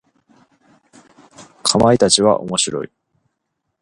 かまいたちは面白い。